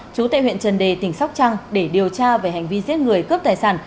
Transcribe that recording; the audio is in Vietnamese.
chú tại huyện trần đề tỉnh sóc trăng để điều tra về hành vi giết người cướp tài sản